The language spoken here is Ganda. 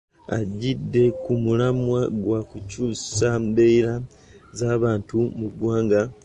Ajjidde ku mulamwa gwa kukyusa mbeera z'abantu mu ggwanga.